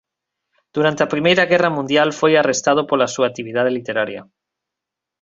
Durante a Primeira Guerra Mundial foi arrestado pola súa actividade literaria.